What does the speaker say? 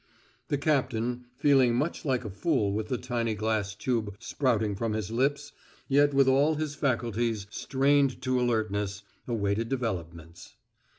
The captain, feeling much like a fool with the tiny glass tube sprouting from his lips, yet with all his faculties strained to alertness, awaited developments.